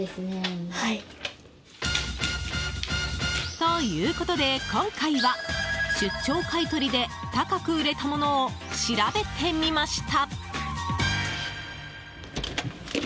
ということで今回は、出張買い取りで高く売れたものを調べてみました。